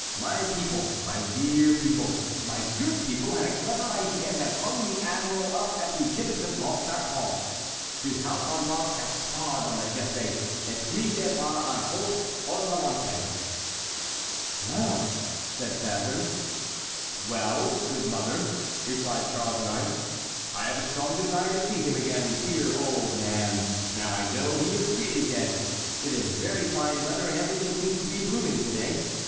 My people, my dear people, my good people, had a clever idea and have hung the admiral up at the gibbet of Montfaucon. "Du haut en bas Gaspard on a jété, Et puis de bas en haut on l'a monté." "Well!" said Catharine. "Well, good mother," replied Charles IX., "I have a strong desire to see him again, dear old man, now I know he is really dead. It is very fine weather and everything seems to be blooming to day.